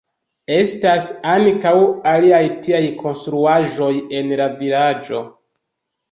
Estas ankaŭ aliaj tiaj konstruaĵoj en la vilaĝo.